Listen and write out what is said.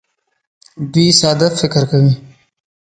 دوی ساده فکر کوي.